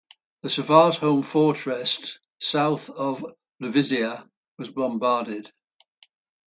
The Svartholm fortress south of Loviisa was bombarded.